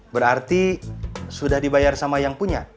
berarti sudah dibayar sama yang punya